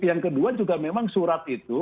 yang kedua juga memang surat itu